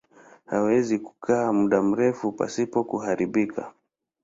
Huweza kukaa muda mrefu pasipo kuharibika.